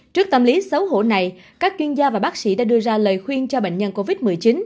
trước tâm lý xấu hổ này các chuyên gia và bác sĩ đã đưa ra lời khuyên cho bệnh nhân covid một mươi chín